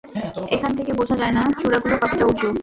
এখান থেকে বোঝা যায় না, চূড়াগুলো কতটা উঁচু।